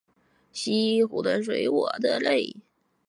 西湖的水我的泪